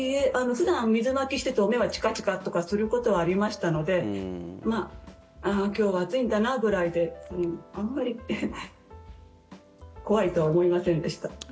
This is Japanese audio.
普段、水まきしてても目がチカチカとすることはありましたのであー、今日は暑いんだなぐらいであんまり怖いとは思いませんでした。